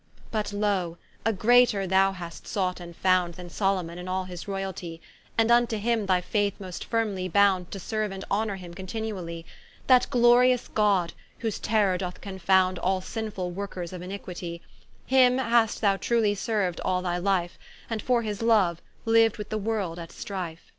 But loe, a greater thou hast sought and found Than Salomon in all his royaltie: And vnto him thy faith most firmely bound To serue and honour him continually; That glorious God, whose terror doth confound All sinfull workers of iniquitie: Him hast thou truely serued all thy life, And for his loue, liu'd with the world at strife.